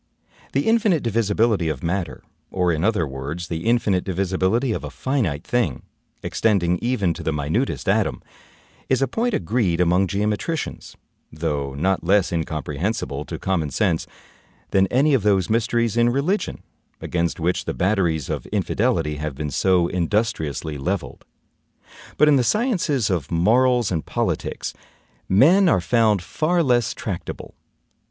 The INFINITE DIVISIBILITY of matter, or, in other words, the INFINITE divisibility of a FINITE thing, extending even to the minutest atom, is a point agreed among geometricians, though not less incomprehensible to common sense than any of those mysteries in religion, against which the batteries of infidelity have been so industriously leveled. But in the sciences of morals and politics, men are found far less tractable.